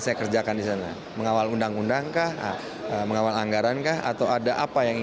saya kerjakan di sana mengawal undang undang kah mengawal anggaran kah atau ada apa yang